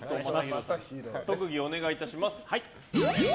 特技、お願いいたします。